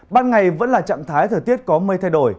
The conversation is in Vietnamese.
ban ngày vẫn là trạng thái thời tiết có mây thay đổi